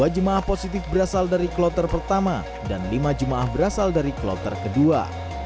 dua jemaah positif berasal dari kloter pertama dan lima jemaah berasal dari kloter kedua